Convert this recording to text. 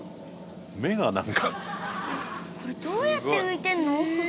目が何かこれどうやって浮いてんの？